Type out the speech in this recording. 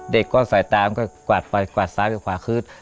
เด็กก็ใส่ตามก็กวาดไปกวาดซ้ายไปขวาขึ้น